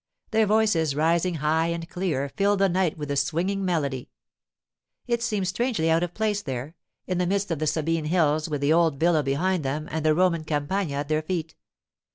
Their voices, rising high and clear, filled the night with the swinging melody. It seemed strangely out of place there, in the midst of the Sabine hills, with the old villa behind them and the Roman Campagna at their feet.